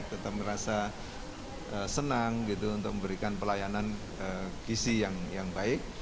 tetap merasa senang gitu untuk memberikan pelayanan gizi yang baik